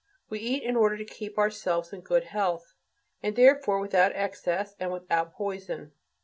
We eat in order to keep ourselves in good health, and therefore without excess and without poison.